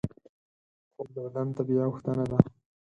خوب د بدن طبیعي غوښتنه ده